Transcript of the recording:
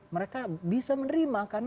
mereka bisa menerima